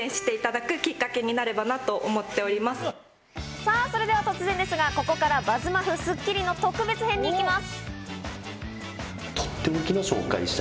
さぁそれでは突然ですが、ここからは『ＢＵＺＺＭＡＦＦ』『スッキリ』の特別編に行きます。